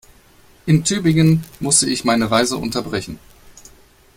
In Tübingen musste ich meine Reise unterbrechen